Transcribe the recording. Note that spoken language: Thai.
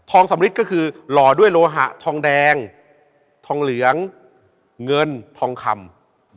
สำริดก็คือหล่อด้วยโลหะทองแดงทองเหลืองเงินทองคำ